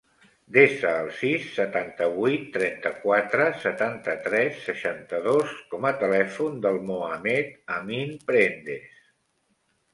Desa el sis, setanta-vuit, trenta-quatre, setanta-tres, seixanta-dos com a telèfon del Mohamed amin Prendes.